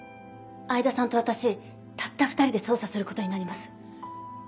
相田さんと私たった２人で捜査することになります。